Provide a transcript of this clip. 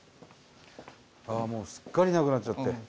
ああもうすっかりなくなっちゃって。